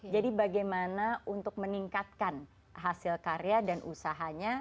jadi bagaimana untuk meningkatkan hasil karya dan usahanya